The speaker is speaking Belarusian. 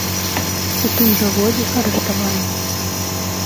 У тым жа годзе арыштаваны.